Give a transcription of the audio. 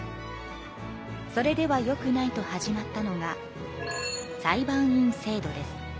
それではよくないと始まったのが裁判員制度です。